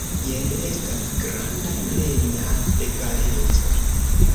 Jen estas granda, plena egaleco.